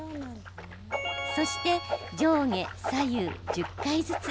そして、上下左右１０回ずつ。